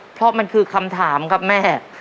เพราะมันคือคำถามครับแม่